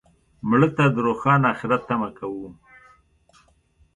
مړه ته د روښانه آخرت تمه کوو